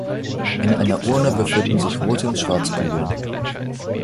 In einer Urne befinden sich rote und schwarze Kugeln.